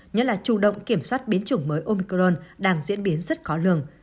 nhất là chủ động kiểm soát biến chủng mới omicron đang diễn biến rất khó lường